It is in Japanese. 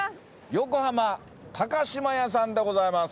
横浜島屋さんでございます。